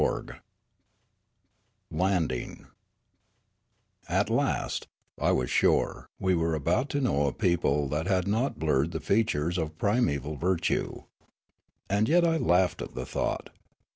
CHAPTER III LANDING AT last, I was sure, we were about to know a people that bad not blurred the features of primeval virtue. And yet I laughed at the thought.